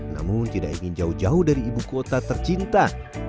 namun tidak ingin jauh jauh dari ibu kota tercinta